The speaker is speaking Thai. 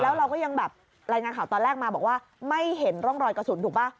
แล้วเราก็ยังแบบรายงานข่าวตอนแรกมาบอกว่าไม่เห็นร่องรอยกระสุนถูกป่ะ